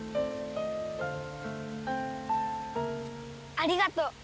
ありがとう。